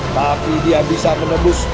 tapi dia bisa menembus